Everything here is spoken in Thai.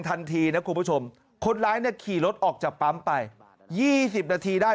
ทันทีนะคุณผู้ชมคนร้ายเนี่ยขี่รถออกจากปั๊มไป๒๐นาทีได้